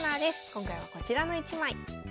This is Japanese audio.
今回はこちらの一枚。